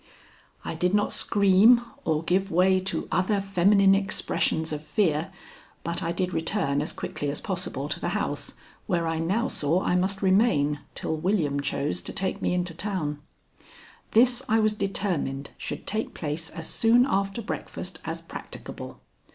I did not scream or give way to other feminine expressions of fear, but I did return as quickly as possible to the house, where I now saw I must remain till William chose to take me into town. This I was determined should take place as soon after breakfast as practicable.